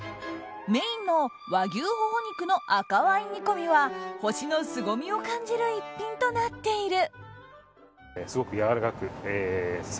メインの和牛ホホ肉の赤ワイン煮込みは星のすごみを感じる一品となっている。